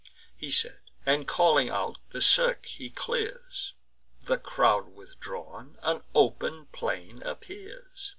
He said; and, calling out, the cirque he clears. The crowd withdrawn, an open plain appears.